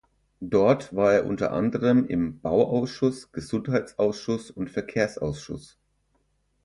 Dort war er unter anderem im Bauausschuss, Gesundheitsausschuss und Verkehrsausschuss.